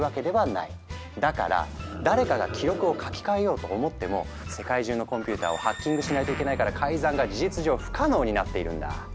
だから誰かが記録を書き換えようと思っても世界中のコンピューターをハッキングしないといけないから改ざんが事実上不可能になっているんだ。